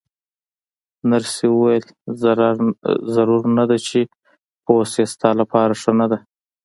نرسې وویل: ضرور نه ده چې پوه شې، ستا لپاره ښه نه ده.